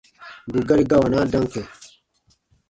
Bù gari gawanaa dam kɛ̃.